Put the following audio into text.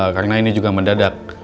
karena ini juga mendadak